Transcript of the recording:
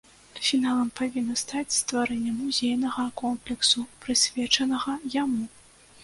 Фіналам павінна стаць стварэнне музейнага комплексу, прысвечанага яму.